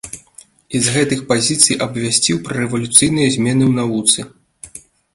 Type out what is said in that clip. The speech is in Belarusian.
І з гэтых пазіцый абвясціў пра рэвалюцыйныя змены ў навуцы.